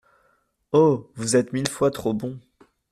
Oh ! vous êtes mille fois trop bon !